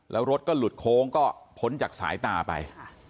แล้วรถก็หลุดโค้งก็พ้นจากสายตาไป